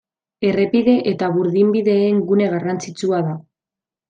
Errepide eta burdinbideen gune garrantzitsua da.